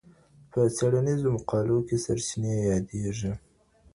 په څېړنیزو مقالو کي سرچینې یادېږي.